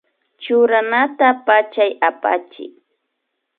Churanata pallay apachiy